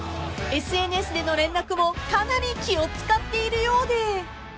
［ＳＮＳでの連絡もかなり気を使っているようで］